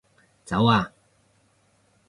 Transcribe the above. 走啊